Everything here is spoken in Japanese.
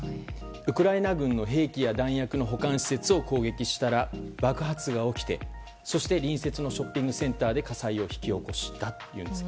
ウクライナ軍の兵器や弾薬の保管施設を攻撃したら爆発が起きて隣接のショッピングセンターで火災を引き起こしたというんです。